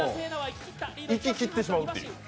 行ききってしまうという。